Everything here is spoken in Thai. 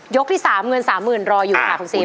ที่๓เงิน๓๐๐๐รออยู่ค่ะคุณซิม